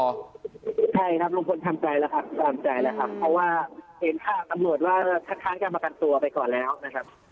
ใช่ครับลุงพลทำใจแล้วครับเพราะว่าเห็นข้างอำนวตว่าทั้งการประกันตัวไปก่อนแล้วนะครับ